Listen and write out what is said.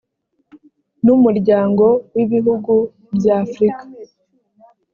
n umuryango w ibihugu by afrika